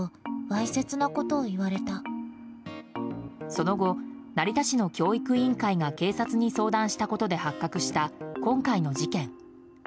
その後、成田市の教育委員会が警察に相談したことで発覚した今回の事件。